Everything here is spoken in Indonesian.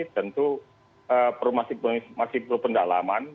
tentu masih perlu pendalaman